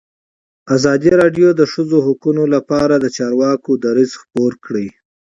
ازادي راډیو د د ښځو حقونه لپاره د چارواکو دریځ خپور کړی.